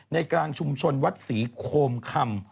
กลางชุมชนวัดศรีโคมคำ